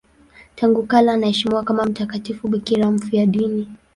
Tangu kale anaheshimiwa kama mtakatifu bikira mfiadini.